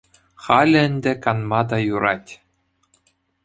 Халӗ ӗнтӗ канма та юрать.